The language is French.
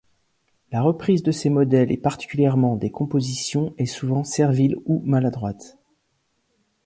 La reprise de ces modèles et particulièrement des compositions est souvent servile ou maladroite.